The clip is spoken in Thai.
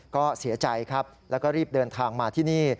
ก็เสียใจครับแล้วก็รีบเดินทางมาที่นี่